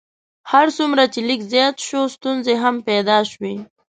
هر څومره چې لیک زیات شو ستونزې هم پیدا شوې.